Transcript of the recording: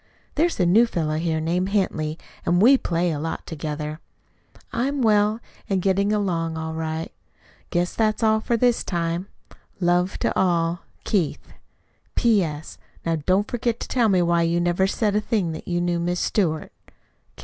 There's a new fellow here named Henty, and we play a lot together. I am well, and getting along all right. Guess that's all for this time. Love to all. KEITH P.S. Now don't forget to tell me why you never said a thing that you knew Miss Stewart.